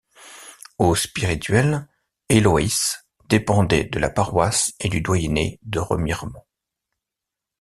Au spirituel, Éloyes dépendait de la paroisse et du doyenné de Remiremont.